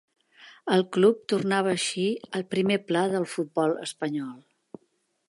El club tornava així al primer pla del futbol espanyol.